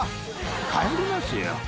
帰りますよ。